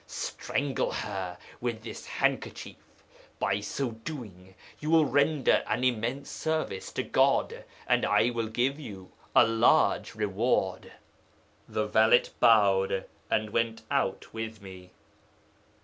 Strangle her with this handkerchief. By so doing you will render an immense service to God, and I will give you a large reward." 'The valet bowed and went out with me.